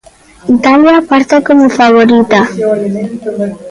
Italia parte como favorita.